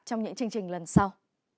trong những chương trình lần sau